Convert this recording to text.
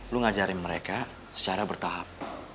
lu ngajarin mereka secara bertahap